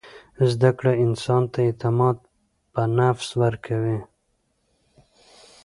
زده کړه انسان ته اعتماد په نفس ورکوي.